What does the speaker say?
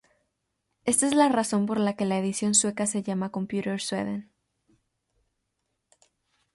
Esta es la razón por la que la edición sueca se llama "Computer Sweden".